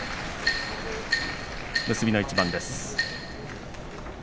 結びの一番です。